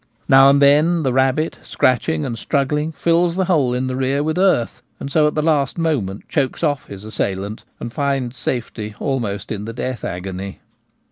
Now and then the rabbit, scratching and struggling, fills the hole in the Weasels hunting in Packs. 119 rear with earth, and so at the last moment chokes off his assailant and finds safety almost in the death agony.